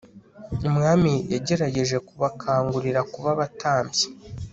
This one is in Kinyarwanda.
umwami yagerageje kubakangurira kuba abatambyi